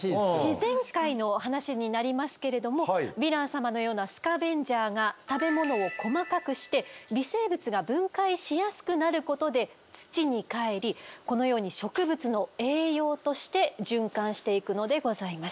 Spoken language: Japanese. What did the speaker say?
自然界の話になりますけれどもヴィラン様のようなスカベンジャーが食べ物を細かくして微生物が分解しやすくなることで土に返りこのように植物の栄養として循環していくのでございます。